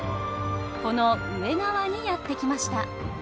この上側にやって来ました。